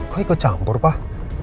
kok ikut campur pak